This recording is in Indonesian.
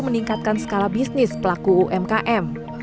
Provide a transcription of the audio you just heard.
meningkatkan skala bisnis pelaku umkm